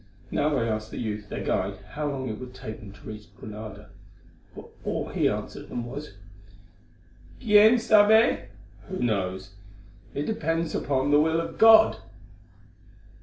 Now they asked the youth, their guide, how long it would take them to reach Granada; but all he answered them was: "Quien sabe?" (Who knows?) "It depends upon the will of God."